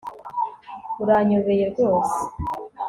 Uranyobeye rwose